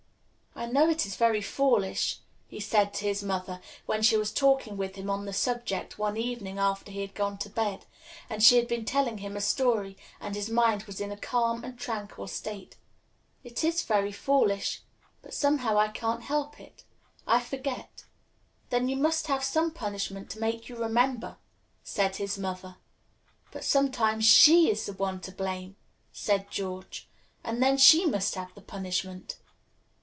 "I know it is very foolish," he said to his mother, when she was talking with him on the subject one evening after he had gone to bed, and she had been telling him a story, and his mind was in a calm and tranquil state. "It is very foolish, but somehow I can't help it. I forget." "Then you must have some punishment to make you remember," said his mother. "But sometimes she is the one to blame," said George, "and then she must have the punishment."